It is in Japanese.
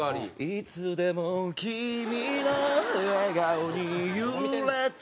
「いつでも君の笑顔に揺れて」